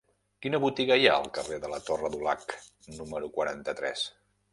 Quina botiga hi ha al carrer de la Torre Dulac número quaranta-tres?